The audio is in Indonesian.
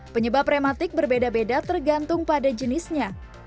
penyebab rematik berbeda beda tergantung pada jenisnya